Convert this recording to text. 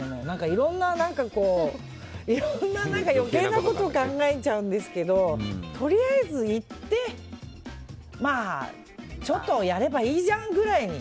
いろんな余計なことを考えちゃうんですけどとりあえず言ってまあ、ちょっとやればいいじゃんぐらいに。